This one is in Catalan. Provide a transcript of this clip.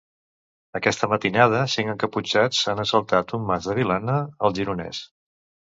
Aquesta matinada, cinc encaputxats han assaltat un mas de Vilanna, al Gironès.